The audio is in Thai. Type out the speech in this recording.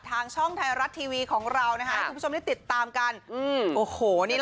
ทางช่องไทยรัตรทีวีของเรานะคะทุกผู้ชมติดตามกันอืมโอโหนี่